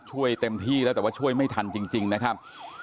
เต็มที่แล้วแต่ว่าช่วยไม่ทันจริงนะครับ